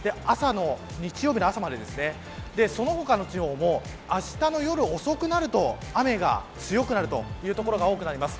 日曜日の朝までその他の地方もあしたの夜遅くなると雨が強くなるという所が多くなります。